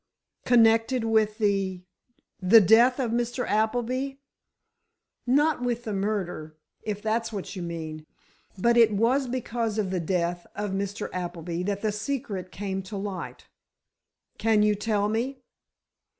"Connected with the—the death of Mr. Appleby?" "Not with the murder—if that's what you mean. But it was because of the death of Mr. Appleby that the secret came to light." "Can you tell me?"